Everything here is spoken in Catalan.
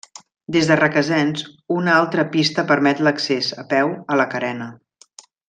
Des de Requesens una altra pista permet l'accés, a peu, a la carena.